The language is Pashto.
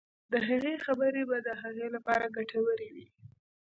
د هغه خبرې به د هغه لپاره ګټورې وي.